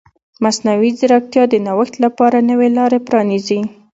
مصنوعي ځیرکتیا د نوښت لپاره نوې لارې پرانیزي.